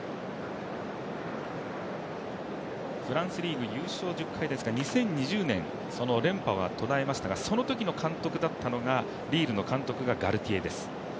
フランスリーグ優勝１０回ですが２０２０年、連覇は途絶えましたが、そのとき監督だったのが、リールの監督だったのがガルティエです。